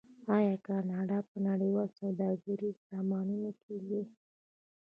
آیا کاناډا په نړیوال سوداګریز سازمان کې نه دی؟